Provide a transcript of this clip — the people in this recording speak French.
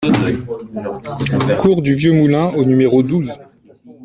Cours du Vieux Moulin au numéro douze